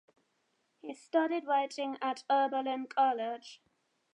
He studied writing at Oberlin College.